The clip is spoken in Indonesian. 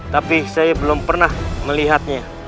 tapi saya belum pernah melihatnya